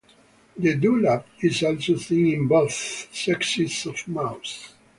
The dewlap is also seen in both sexes of moose.